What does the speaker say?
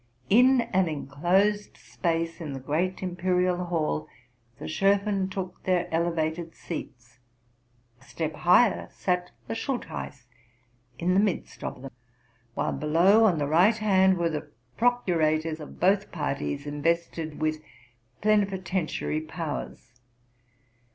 In an en closed space in the great Imperial Hall, the Schoffen took their elevated seats; a step higher, sat the Schultheiss in the midst of them; while below, on the right hand, were the pro curators of both parties invested with plenipotentiary powers.